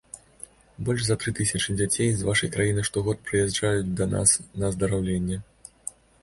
Больш за тры тысячы дзяцей з вашай краіны штогод прыязджаюць да нас на аздараўленне.